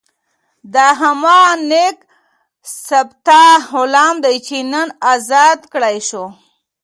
دا هماغه نېک صفته غلام دی چې نن ازاد کړای شو.